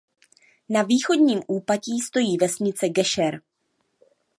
Na východním úpatí stojí vesnice Gešer.